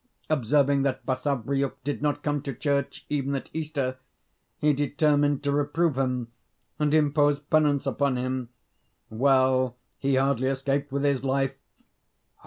Observing that Basavriuk did not come to church, even at Easter, he determined to reprove him and impose penance upon him. Well, he hardly escaped with his life.